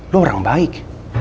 lo orang baik